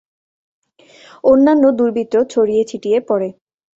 অন্যান্য দুর্বৃত্ত ছড়িয়ে ছিটিয়ে পড়ে।